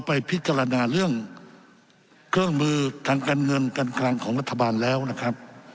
ไปพิจารณาเรื่องเครื่องมือทางการเงินการคลังของรัฐบาลแล้วนะครับ